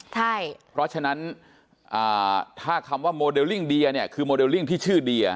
เพราะฉะนั้นถ้าคำว่าโมเดลลิ่งเดียเนี่ยคือโมเดลลิ่งที่ชื่อเดีย